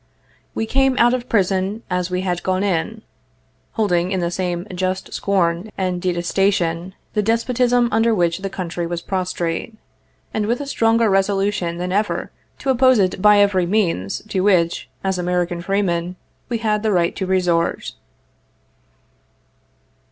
We came out of prison as we had gone in, holding in the same just scorn and detesta tion the despotism under which the country was prostrate, and with a stronger resolution than ever to oppose it by every means to which, as American freemen, we had the right to resort.